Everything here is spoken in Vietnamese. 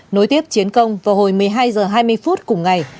nối tiếp chiến công vào hồi một mươi hai h hai mươi phút cùng ngày